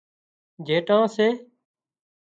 جيٽان سي